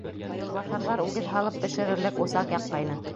Юлбаҫарҙар үгеҙ һалып бешерерлек усаҡ яҡҡайны.